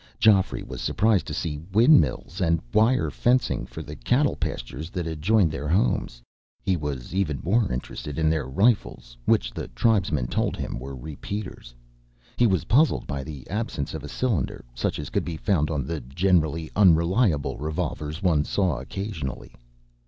Geoffrey was surprised to see windmills, and wire fencing for the cattle pastures that adjoined their homes. He was even more interested in their rifles, which, the tribesmen told him, were repeaters. He was puzzled by the absence of a cylinder, such as could be found on the generally unreliable revolvers one saw occasionally.